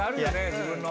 自分の。